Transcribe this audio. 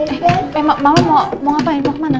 eh mama mau ngapain mau kemana